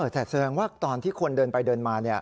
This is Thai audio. แต่แสดงว่าตอนที่คนเดินไปเดินมา